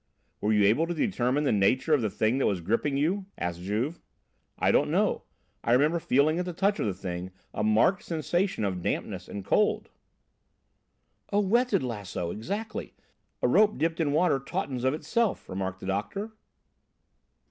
"Were you able to determine the nature of the thing that was gripping you?" asked Juve. "I don't know. I remember feeling at the touch of the thing a marked sensation of dampness and cold." "A wetted lasso, exactly. A rope dipped in water tautens of itself," remarked the doctor.